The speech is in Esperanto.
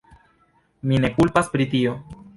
Mi ne kulpas pri tio.